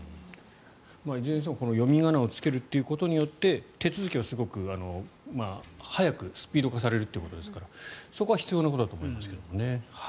いずれにしても読み仮名をつけることによって手続きが速くスピード化されるということですからそこは必要なことだと思いますけどね。